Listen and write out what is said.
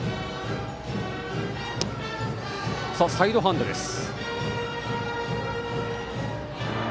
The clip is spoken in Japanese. サイドハンドです。